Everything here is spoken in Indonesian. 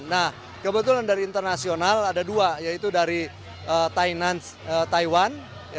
nah kebetulan dari internasional ada dua yaitu dari taiwan